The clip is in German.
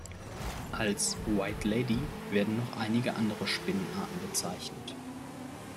Als "White Lady" werden noch einige andere Spinnenarten bezeichnet.